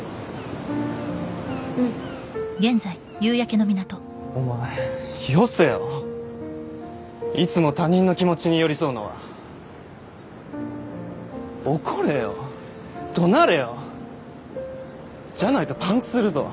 うんお前よせよいつも他人の気持ちに寄り添うのは怒れよどなれよじゃないとパンクするぞ